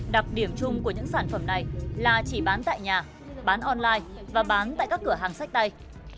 đặc điểm chung của những sản phẩm này là chỉ bán tại nhà bán online và bán tại các cửa hàng sách tay